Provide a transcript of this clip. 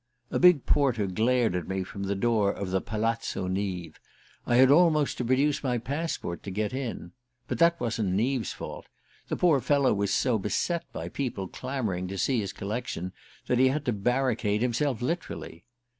A big porter glared at me from the door of the Palazzo Neave: I had almost to produce my passport to get in. But that wasn't Neave's fault the poor fellow was so beset by people clamouring to see his collection that he had to barricade himself, literally.